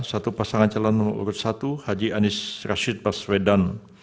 satu pasangan calon nomor urut satu haji anies rashid baswedan